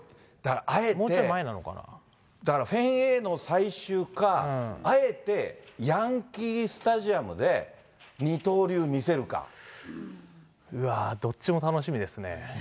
あえて、だからフェンウエイの最終かあえてヤンキースタジアムで二刀流見どっちも楽しみですね。